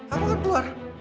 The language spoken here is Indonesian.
aku akan keluar